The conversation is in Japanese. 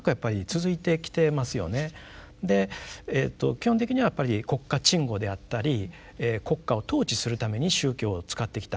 基本的にはやっぱり国家鎮護であったり国家を統治するために宗教を使ってきた。